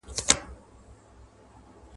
له پېزوانه اوښکي څاڅي د پاولیو جنازې دي !.